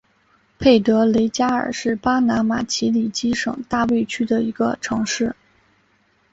佩德雷加尔是巴拿马奇里基省大卫区的一个城市。